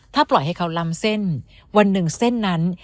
ถ้าปล่อยให้เขาล้ำเส้นวันหนึ่งเส้นนั้น